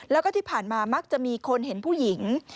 แล้วก็ที่ผ่านมามักจะมีคนเห็นผู้หญิง